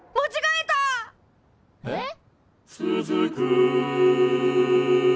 えっ？